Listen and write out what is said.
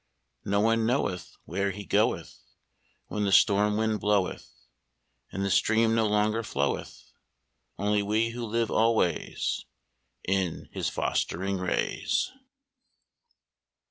No one knoweth where he goeth When the storm wind bloweth And the stream no longer floweth, Only we who live always In his fostering rays.